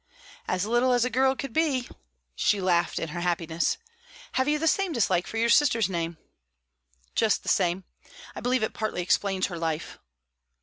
"As little as a girl could be." She laughed in her happiness. "Have you the same dislike for your sister's name?" "Just the same. I believe it partly explains her life."